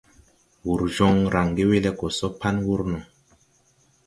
Wur jon range we le go so pan wur no.